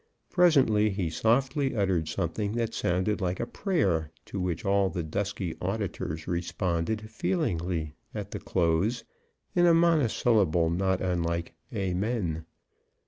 Presently he softly uttered something that sounded like a prayer, to which all the dusky auditors responded feelingly at the close in a monosyllable not unlike "Amen."